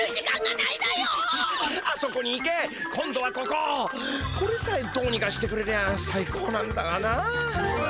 これさえどうにかしてくれりゃさいこうなんだがな。